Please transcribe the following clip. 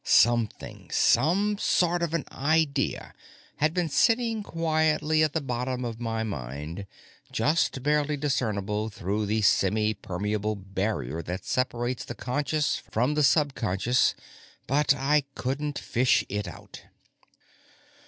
Something, some sort of an idea, had been sitting quietly at the bottom of my mind, just barely discernible through the semipermeable barrier that separates the conscious from the subconscious, but I couldn't fish it out.